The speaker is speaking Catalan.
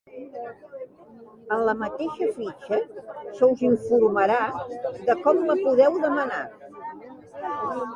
En la mateixa fitxa se us informarà de com la podeu demanar.